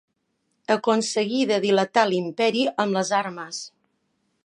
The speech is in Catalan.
Aconseguí de dilatar l'imperi amb les armes.